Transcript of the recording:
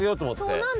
そうなんだ。